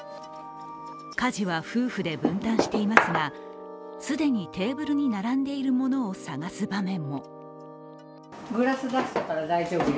家事は夫婦で分担していますが、既にテーブルに並んでいるものを探す場面も。